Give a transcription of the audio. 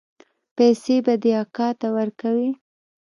پيسې به دې اکا ته ورکوې.